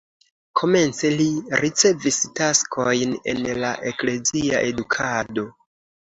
Komence li ricevis taskojn en la eklezia edukado.